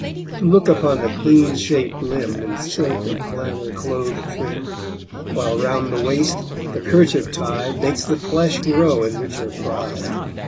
To look upon the clean shap'd limb In silk and flannel clothèd trim; While round the waist the kerchief tied Makes the flesh glow in richer pride.